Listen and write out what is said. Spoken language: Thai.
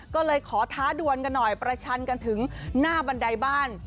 ก็เลยขอท้าดวนกันหน่อยประชันกันถึงหน้าบันไดบ้าน